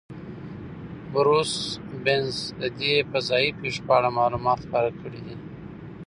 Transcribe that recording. بروس بتز د دې فضایي پیښو په اړه معلومات خپاره کړي دي.